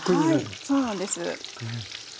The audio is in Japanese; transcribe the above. はいそうなんです。